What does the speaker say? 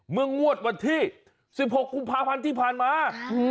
งวดวันที่๑๖กุมภาพันธ์ที่ผ่านมา